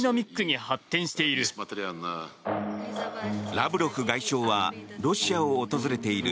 ラブロフ外相はロシアを訪れている